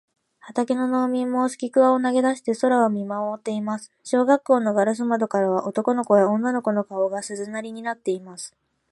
畑の農民もすきくわを投げだして空を見まもっています。小学校のガラス窓からは、男の子や女の子の顔が、鈴なりになっています。